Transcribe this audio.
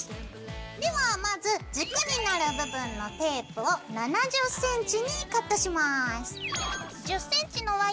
ではまず軸になる部分のテープを７０ｃｍにカットします。